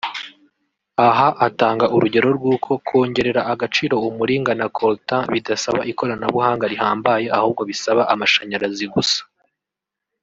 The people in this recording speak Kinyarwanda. Aha atanga urugero rw’uko kongerera agaciro umuringa na Coltan bidasaba ikoranabuhanga rihambaye ahubwo bisaba amashanyarazi gusa